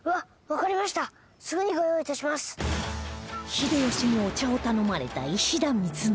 秀吉にお茶を頼まれた石田三成